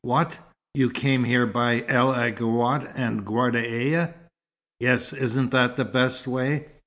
"What, you came here by El Aghouat and Ghardaia?" "Yes. Isn't that the best way?"